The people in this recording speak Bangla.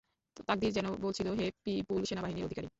তাকদীর যেন বলছিল, হে বিপুল সেনাবাহিনীর অধিকারী।